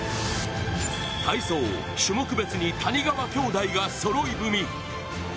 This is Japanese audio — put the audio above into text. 体操種目別に谷川兄弟がそろい踏み。